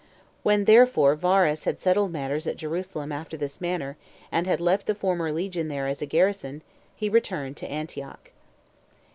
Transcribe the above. When therefore Varus had settled matters at Jerusalem after this manner, and had left the former legion there as a garrison, he returned to Antioch.